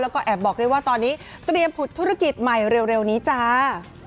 แล้วก็แอบบอกด้วยว่าตอนนี้เตรียมผุดธุรกิจใหม่เร็วนี้จ้า